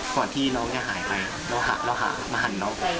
ก่อนที่น้องจะหายไปเราหามาหันน้องผม